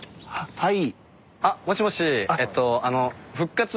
はい。